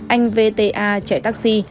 anh vta chạy taxi